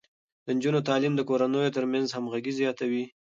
د نجونو تعليم د کورنيو ترمنځ همغږي زياتوي.